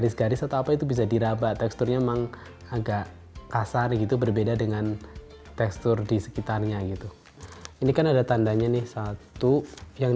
sampai jumpa di video selanjutnya